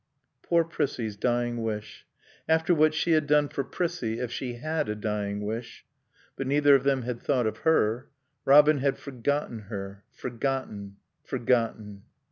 Poor Prissie's dying wish. After what she had done for Prissie, if she had a dying wish But neither of them had thought of her. Robin had forgotten her.... Forgotten.... Forgotten.